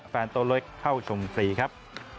แฟนตัวเล็กเข้าชมฟรีครับ